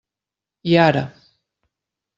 I ara.